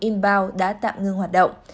inbound đã tạm ngưng hoạt động